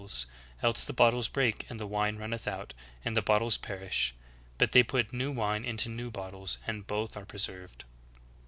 ties; else the bottles break and the wine runneth out, and the bottles perish : but they put new wine into new bottles, and both are preserved."